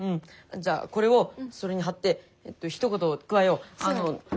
じゃあこれをそれに貼ってひと言加えよう。